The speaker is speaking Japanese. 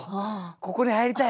ここに入りたい。